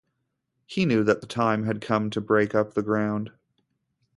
He knew that the time had come to break up the ground.